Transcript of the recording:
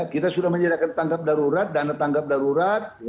kita sudah menyediakan tangkap darurat dana tanggap darurat